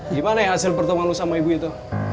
gimana ya hasil pertemuan lo sama ibu itu